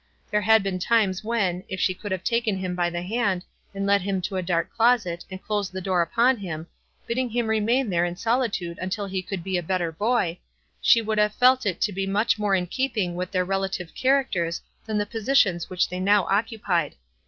There had been times when, if she could have taken him by the hand, and led him to a dark closet, and closed the door upon him, bidding him remain there in solitude until he could be a better boy, sue would have felt it to be much more in keep ing with their relative characters than the posi tions which they now occupied.